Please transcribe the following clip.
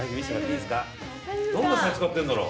どんな財布使ってんだろう。